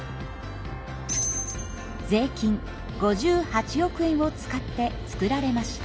税金５８億円を使って作られました。